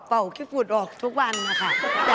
เป่าคลิปฟุตออกทุกวันค่ะ